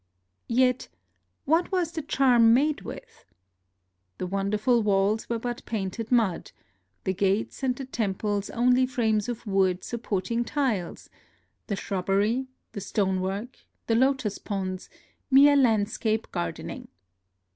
Yet what was the charm made with ? The wonderful walls were but painted mud; the gates and the temples only frames of wood supporting tiles ; the shubbery, the stonework, the lotos ponds, mere landscape gardening.